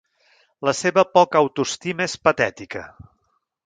La seva poca autoestima és patètica.